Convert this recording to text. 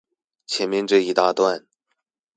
前面這一大段